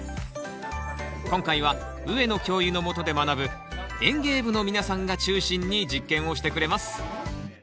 今回は上野教諭のもとで学ぶ園芸部の皆さんが中心に実験をしてくれます